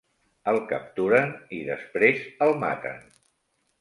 El capturen i després el maten.